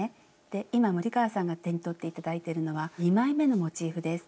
で今森川さんが手に取って頂いてるのは２枚めのモチーフです。